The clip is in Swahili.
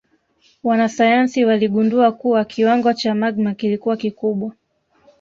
Wanasayansi waligundua kuwa kiwango cha magma kilikuwa kikubwa